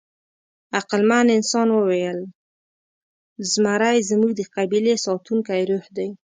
عقلمن انسان وویل: «زمری زموږ د قبیلې ساتونکی روح دی».